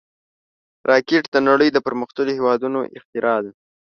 راکټ د نړۍ د پرمختللو هېوادونو اختراع ده